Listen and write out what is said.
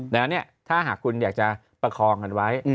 แล้วเนี่ยถ้าหากคุณอยากจะประคองกันไว้